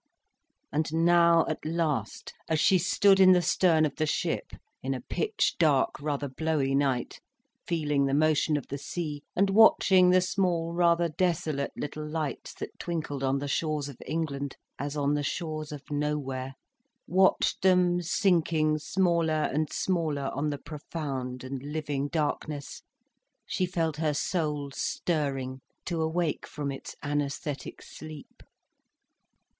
And now, at last, as she stood in the stern of the ship, in a pitch dark, rather blowy night, feeling the motion of the sea, and watching the small, rather desolate little lights that twinkled on the shores of England, as on the shores of nowhere, watched them sinking smaller and smaller on the profound and living darkness, she felt her soul stirring to awake from its anæsthetic sleep.